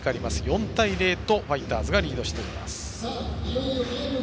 ４対０とファイターズがリードしています。